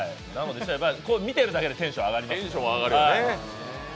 見てるだけでテンション上がりますね。